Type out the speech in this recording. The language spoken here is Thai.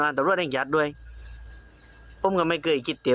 ดารัติรอิษตรวะนั่งยัดด้วยปุ้งก็ไม่เกยคิดเดี๋ยว